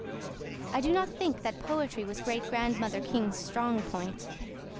I do not think that poetry was Great grandmother King's strong point.